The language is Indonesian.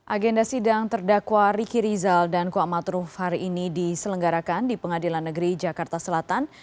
agenda sidang terdakwa riki rizal dan kuatruf hari ini diselenggarakan di pengadilan negeri jakarta selatan